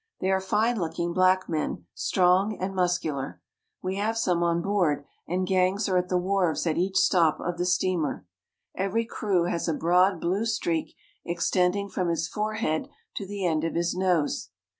They are fine looking men, strong and muscular. We have some lard, and gangs are at the wharves at each stop of the .mer. Every Kroo has a broad, blue streak extend from his forehead to the end of his nose.